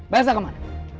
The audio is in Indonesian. baik elsa kemana